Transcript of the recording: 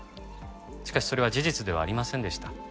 しかしそれは事実ではありませんでした。